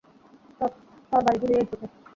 তরবারী ঝুলিয়ে এসেছে।